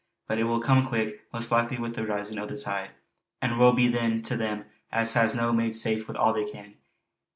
But it will come quick, most likely wi' the risin' o' the tide; and woe be then to them as has no made safe wi' all they can.